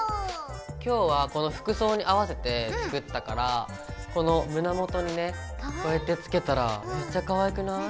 今日はこの服装に合わせて作ったからこの胸元にねこうやってつけたらめっちゃかわいくない？